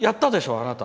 あなた！